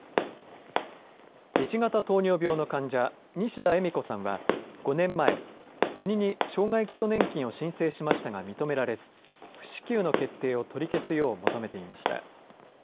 １型糖尿病の患者西田えみ子さんは、５年前国に障害基礎年金を申請しましたが認められず、不支給の決定を取り消すよう求めていました。